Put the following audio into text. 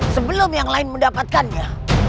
sebelum yang lain mendapatkannya